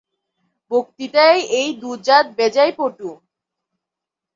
বক্তৃতায় এ দু-জাত বেজায় পটু।